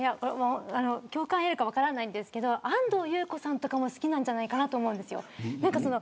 共感を得られるか分からないですけど安藤優子さんとかも好きなんじゃないかなと思うんです。